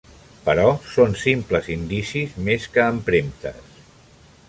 Però són simples indicis més que empremtes.